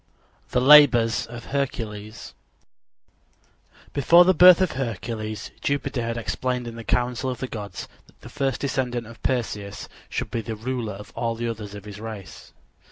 THE LABORS OF HERCULES Before the birth of Hercules Jupiter had explained in the council of the gods that the first descendant of Perseus should be the ruler of all the others of his race.